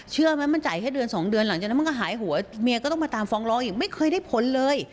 เชื่อไหมมันจ่ายแค่เดือนสองเดือนหลังจากนั้นมันก็หายหัวเมียก็ต้องมาตามฟ้องร้องอีกไม่เคยได้ผลเลย